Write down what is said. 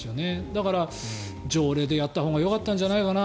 だから、条例でやったほうがよかったんじゃないかな。